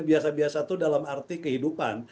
biasa biasa itu dalam arti kehidupan